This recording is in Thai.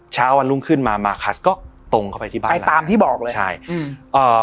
เช้าวันรุ่งขึ้นมามาคัสก็ตรงเข้าไปที่บ้านไปตามที่บอกเลยใช่อืมเอ่อ